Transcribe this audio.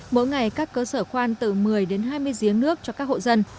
mỗi ngày các cơ sở khoan từ một mươi đến hai mươi giếng nước cho các hộ dân